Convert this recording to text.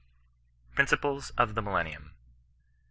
PRINCIPLES OP THE MILLENNIUM.